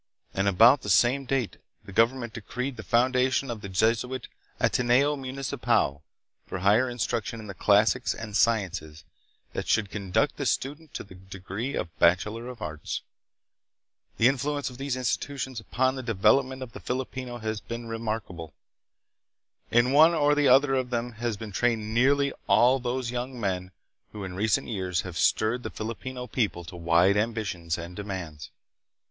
And about the same date the government decreed the foundation of the Jesuit "Ateneo Municipal" for higher instruction in the classics and sciences that should conduct the student to the degree of bachelor of arts. The influ ence of these institutions upon the development of the Filipino has been remarkable. In one or the other of them have been trained nearly all of those young men who in recent years have stirred the Filipino people to wide ambitions and demands.